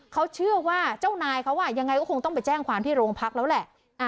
เขาเชื่อว่าเจ้านายเขายังไงก็คงต้องไปแจ้งความที่โรงพักแล้วแหละ